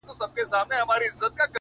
پر جبين باندې لښکري پيدا کيږي”